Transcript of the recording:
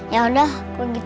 ya udah pun gitu deh